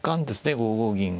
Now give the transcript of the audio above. ５五銀は。